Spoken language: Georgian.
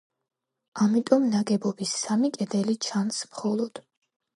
ამიტომ ნაგებობის სამი კედელი ჩანს მხოლოდ.